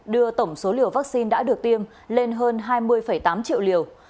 đưa tổng số liều vaccine đã được tiêm lên hơn hai mươi tám triệu liều